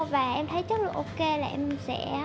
và em thấy chất lượng ok là em sẽ